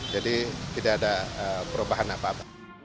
jadi tidak ada perubahan apa apa